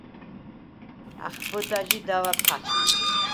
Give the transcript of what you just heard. ახბჷდა ჟი და̄̈ვა̈ ფა̈თვს.